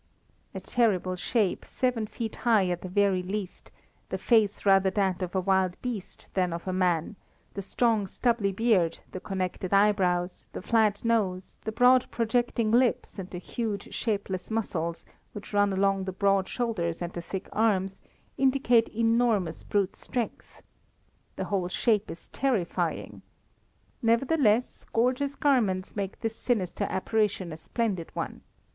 A terrible shape, seven feet high at the very least, the face rather that of a wild beast than of a man; the strong, stubbly beard, the connected eyebrows, the flat nose, the broad projecting lips and the huge shapeless muscles, which run along the broad shoulders and the thick arms, indicate enormous brute strength. The whole shape is terrifying. Nevertheless, gorgeous garments make this sinister apparition a splendid one.